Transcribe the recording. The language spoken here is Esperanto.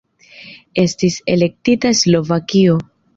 Estis elektita Slovakio.